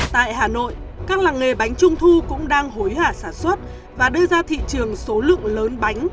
tại hà nội các làng nghề bánh trung thu cũng đang hối hả sản xuất và đưa ra thị trường số lượng lớn bánh